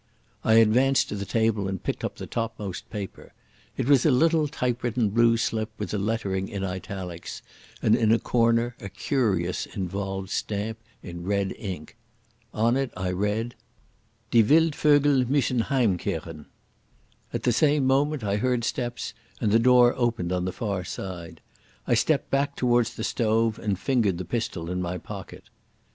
I advanced to the table and picked up the topmost paper. It was a little typewritten blue slip with the lettering in italics, and in a corner a curious, involved stamp in red ink. On it I read: "Die Wildvögel müssen heimkehren." At the same moment I heard steps and the door opened on the far side, I stepped back towards the stove, and fingered the pistol in my pocket.